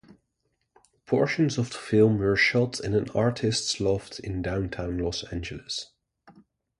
Portions of the film were shot in an artist's loft in downtown Los Angeles.